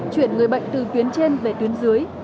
chuyển người bệnh từ tuyến trên về tuyến dưới